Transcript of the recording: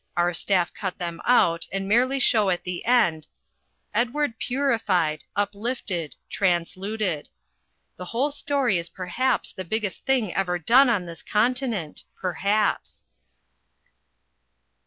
Our staff cut them out and merely show at the end Edward Purified Uplifted Transluted. The whole story is perhaps the biggest thing ever done on this continent. Perhaps!)